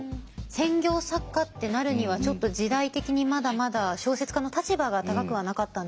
専業作家ってなるにはちょっと時代的にまだまだ小説家の立場が高くはなかったんですね。